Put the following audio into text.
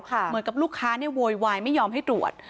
เหมือนกับลูกค้าโวยวายไม่ยอมให้ตรวจ